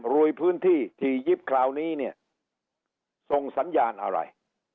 ลุยพื้นที่ถี่ยิบคราวนี้เนี่ยส่งสัญญาณอะไร